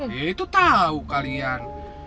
ya itu tau kalian